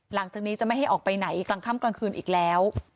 หลังจากนี้จะไม่ให้ออกไปไหนกลางค่ำกลางคืนอีกแล้ว